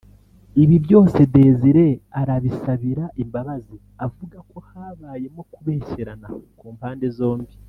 ibi byose Desire arabisabira imbabazi avugako habayemo kubeshyerana ku mpande zombi